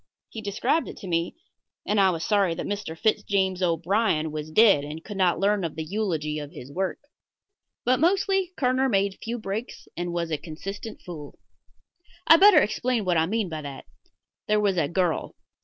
He described it to me, and I was sorry that Mr. Fitz James O'Brien was dead and could not learn of the eulogy of his work. But mostly Kerner made few breaks and was a consistent fool. I'd better explain what I mean by that. There was a girl.